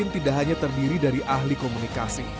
tidak hanya terdiri dari ahli komunikasi